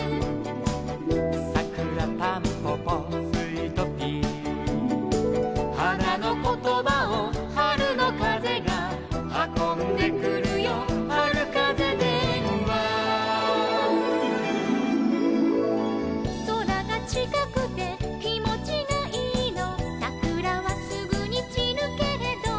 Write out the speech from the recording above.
「さくらたんぽぽスイートピー」「はなのことばをはるのかぜが」「はこんでくるよはるかぜでんわ」「そらがちかくてきもちがいいの」「さくらはすぐにちるけれど」